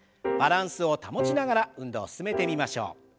バランスを保ちながら運動を進めてみましょう。